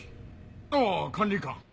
あぁ管理官。